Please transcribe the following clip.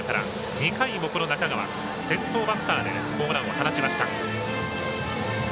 ２回、中川先頭バッターでホームランを放ちました。